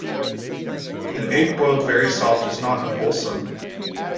An egg boiled very soft is not unwholesome.